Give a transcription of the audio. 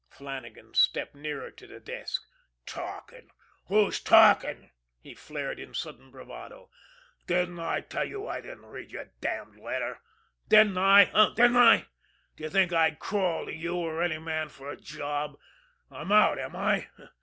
Flannagan stepped nearer to the desk. "Talkin'! Who's talkin'?" he flared in sudden bravado. "Didn't I tell you I didn't read your damned letter? Didn't I, eh, didn't I? D'ye think I'd crawl to you or any man for a job? I'm out, am I?